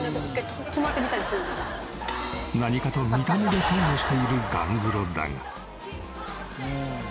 何かと見た目で損をしているガングロだが。